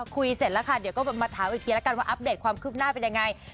เสร็จแล้วค่ะเดี๋ยวก็มาถามอีกทีแล้วกันว่าอัปเดตความคืบหน้าเป็นยังไง